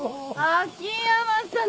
秋山さん